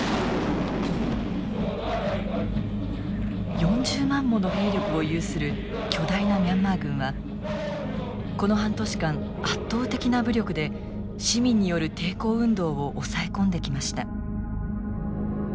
４０万もの兵力を有する巨大なミャンマー軍はこの半年間圧倒的な武力で市民による抵抗運動を抑え込んできました。